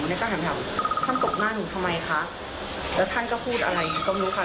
หนูแน็ตก็ถามว่าท่านตกหน้าหนูทำไมคะแล้วท่านก็พูดอะไรอยู่ก็ไม่รู้ค่ะ